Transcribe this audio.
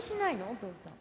お父さん。